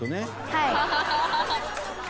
「はい」